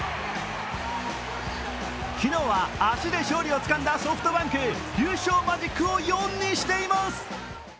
昨日は足で勝利をつかんだソフトバンク、優勝マジックを４にしています。